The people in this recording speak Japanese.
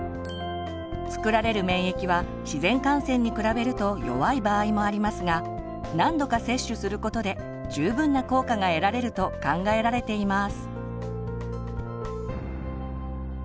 作られる免疫は自然感染に比べると弱い場合もありますが何度か接種することで十分な効果が得られると考えられています。